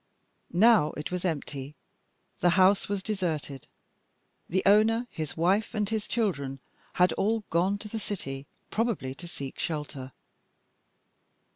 Now it was empty; the house was deserted; the owner, his wife and his children, had all gone, to the city probably, to seek shelter.